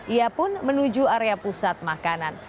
ia pun menuju area pusat makanan